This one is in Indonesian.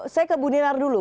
saya ke budinar dulu